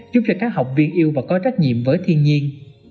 giúp cho các học viên yêu và có trách nhiệm với thiên nhiên